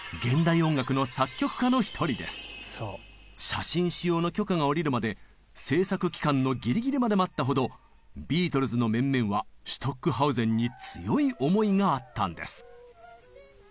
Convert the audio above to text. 写真使用の許可が下りるまで制作期間のギリギリまで待ったほどビートルズの面々はシュトックハウゼンに強い思いがあったんです。